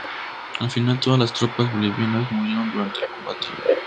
Al final, todas las tropas bolivianas murieron durante el combate.